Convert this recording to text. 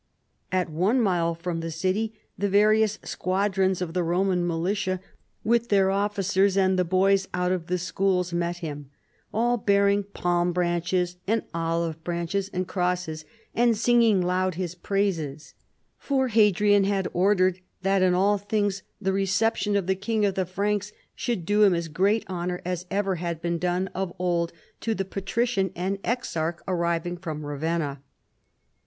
At one mile from the city the various squadrons of the Roman militia with their oliicers 126 CHARLEMAGNE. and the boys out of the schools met him, all bearing pahn branches and olive branches and crosses, and singing loud his praises, for Hadrian had ordered that in all things the reception of the King of the Franks should do him as great honor as ever had been done of old to the ])atrician and exarch arriv ing from Eavenna.